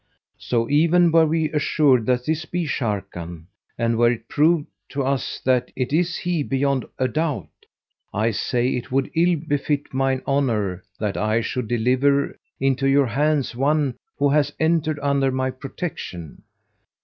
So even were we assured that this be Sharrkan and were it proved to us that it is he beyond a doubt, I say it would ill befit mine honour that I should deliver into your hands one who hath entered under my protection.